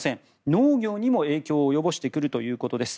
農業にも影響を及ぼしてくるということです。